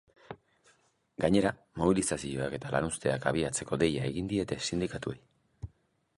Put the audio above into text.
Gainera, mobilizazioak eta lanuzteak abiatzeko deia egin diete sindikatuei.